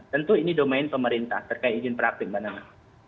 tentu ini domain pemerintah terkait ijin praktek pak nama